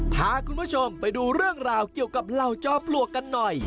พาคุณผู้ชมไปดูเรื่องราวเกี่ยวกับเหล่าจอมปลวกกันหน่อย